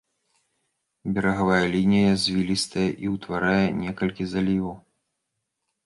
Берагавая лінія звілістая і ўтварае некалькі заліваў.